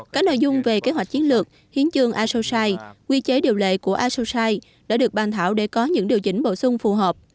các nội dung về kế hoạch chiến lược hiến chương asosai quy chế điều lệ của asosai đã được ban thảo để có những điều chỉnh bổ sung phù hợp